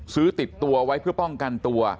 ติดตัวไว้เพื่อป้องกันตัว